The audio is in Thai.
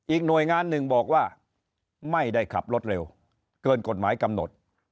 หน่วยงานหนึ่งบอกว่าไม่ได้ขับรถเร็วเกินกฎหมายกำหนด